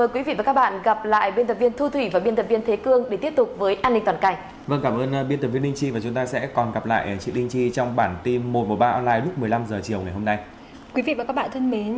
quý vị và các bạn thân mến